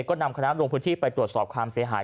ก็นำคณะลงพื้นที่ไปตรวจสอบความเสียหาย